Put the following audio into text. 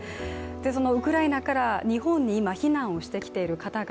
ウクライナから日本に今避難してきている方々